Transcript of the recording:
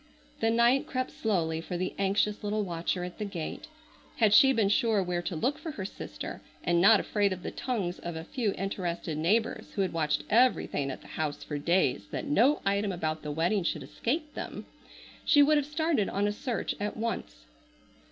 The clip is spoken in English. The night crept slowly for the anxious little watcher at the gate. Had she been sure where to look for her sister, and not afraid of the tongues of a few interested neighbors who had watched everything at the house for days that no item about the wedding should escape them, she would have started on a search at once.